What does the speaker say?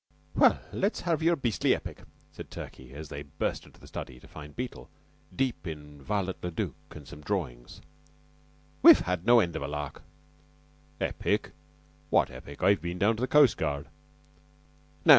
"Well, let's have your beastly epic," said Turkey, as they burst into the study, to find Beetle deep in Viollet le Duc and some drawings. "We've had no end of a lark." "Epic? What epic? I've been down to the coastguard."